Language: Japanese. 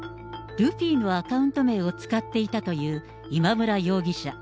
ルフィのアカウント名を使っていたという今村容疑者。